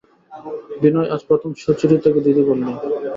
বিনয় আজ প্রথম সুচরিতাকে দিদি বলিল।